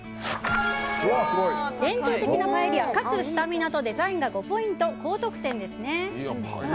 伝統的なパエリアかつスタミナとデザインが５ポイント、高得点ですね。